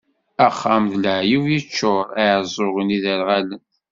Axxam d leɛyub yeččur, iɛeẓẓugen, iderɣalen.